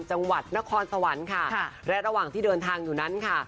จังหวัดนครสวรรค์ค่ะและระหว่างที่เดินทางอยู่นั้นค่ะ